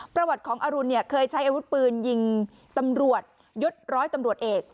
ประวัติของอรุณเนี่ยเคยใช้อาวุธปืนยิงตำรวจยศร้อยตำรวจเอก